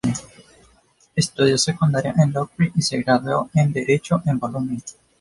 Estudió secundaria en Locri y se graduó en derecho en Bolonia.